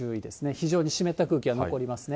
非常に湿った空気が残りますね。